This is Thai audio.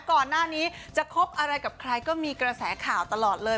ก่อนหน้านี้จะคบอะไรกับใครก็มีกระแสข่าวตลอดเลย